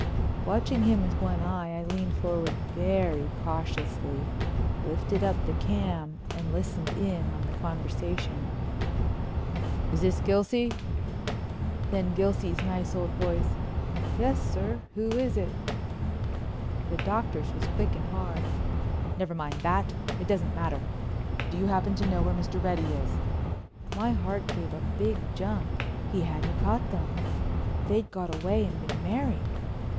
Watching him with one eye I leaned forward very cautiously, lifted up the cam and listened in on the conversation: "Is this Gilsey?" Then Gilsey's nice old voice, "Yes, sir. Who is it?" The Doctor's was quick and hard: "Never mind that—it doesn't matter. Do you happen to know where Mr. Reddy is?" My heart gave a big jump—he hadn't caught them! They'd got away and been married!